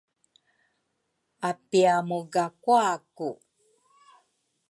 apiamugakuaku.